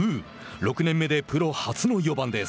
６年目でプロ初の４番です。